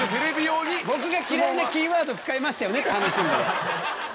僕が嫌いなキーワード使いましたよねって話。